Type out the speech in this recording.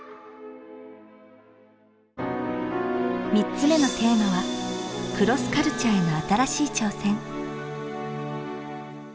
３つ目のテーマはクロスカルチャーへの新しい挑戦。